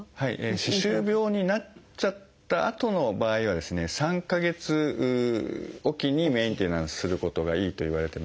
歯周病になっちゃったあとの場合はですね３か月置きにメンテナンスすることがいいといわれてます。